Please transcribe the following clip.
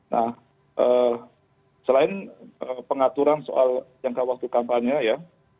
nah selain pengaturan soal jangka waktu kampanye ya